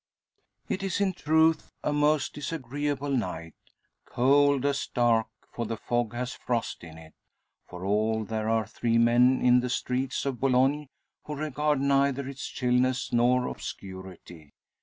It is, in truth, a most disagreeable night: cold as dark, for the fog has frost in it. For all, there are three men in the streets of Boulogne who regard neither its chillness nor obscurity.